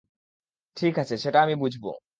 ঠিক আছে, সেটা আমি বুঝবো।